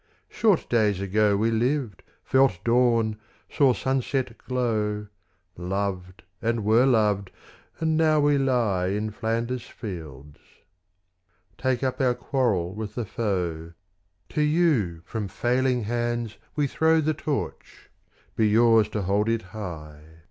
Short days ago We lived, felt dawn, saw sunset glow, Loved, and were loved, and now we lie In Flanders fields. Take up our quarrel with the foe: To you from failing hands we throw The Torch: be yours to hold it high!